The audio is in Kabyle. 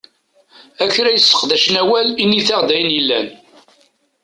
A kra yesseqdacen awal, init-aɣ-d ayen yellan!